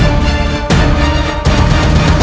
namun bukan berarti